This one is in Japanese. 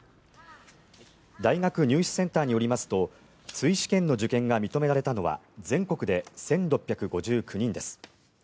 大学入試センターによりますと追試験の受験が認められたのは全国で１６５９人です。